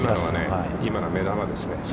今のは目玉ですね。